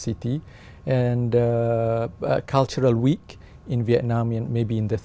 và một tuần tài liệu tài liệu ở việt nam vào tháng thứ ba